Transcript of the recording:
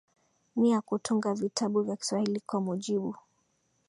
nia ya kutunga vitabu vya Kswahili kwa mujibu